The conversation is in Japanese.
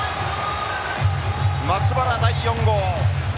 松原、第４号。